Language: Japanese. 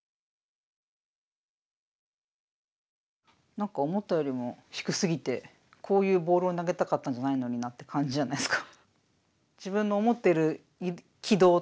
何か思ったよりも低すぎてこういうボールを投げたかったんじゃないのになって感じじゃないですか。